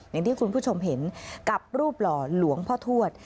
อย่างที่คุณผู้ชมเห็นกับรูปหล่อหลวงพ่อทวด